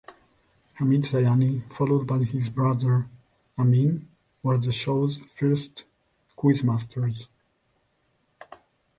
Hamid Sayani, followed by his brother Ameen, were the show's first quizmasters.